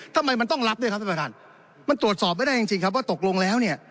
ทำไมมันต้องรับด้วยครับท่านประธานมันตรวจสอบไม่ได้จริงจริงครับว่าตกลงแล้วเนี่ย